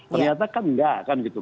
ternyata kan enggak kan gitu